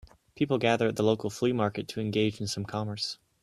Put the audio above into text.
People gather at the local flea market to engage in some commerce